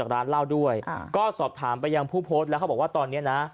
ร้านล้าด้วยก็สอบถามไปใยพู่เพลินแล้วเขาบอกว่าตอนนี้น่ะ